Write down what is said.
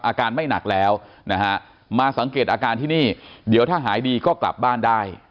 อาการไม่หนักแล้วนะฮะมาสังเกตอาการที่นี่เดี๋ยวถ้าหายดีก็กลับบ้านได้